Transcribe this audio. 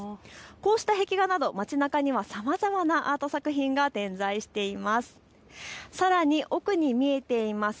こうした壁画など街なかにはさまざまなアート作品が点在しています。